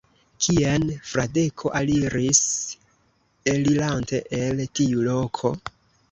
Kien Fradeko aliris, elirante el tiu loko?